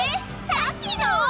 さっきの！？